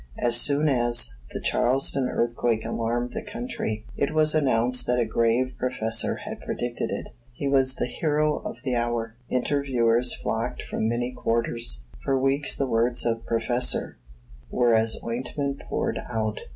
As soon as the Charleston earthquake alarmed the country, it was announced that a grave "Prof." had predicted it. He was the hero of the hour. Interviewers flocked from many quarters. For weeks the words of "Prof." , were as ointment poured out.